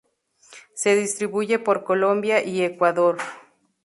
Se distribuye por Colombia y Ecuador.